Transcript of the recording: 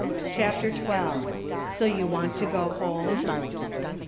CHAPTER XII. "so YOU WANT TO GO HOME?"